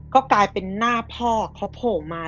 ก็กลายเป็นหน้าพ่อของเขามา